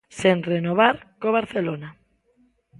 Sen renovar co Barcelona.